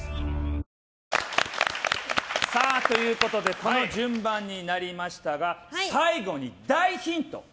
この順番になりましたが最後に大ヒント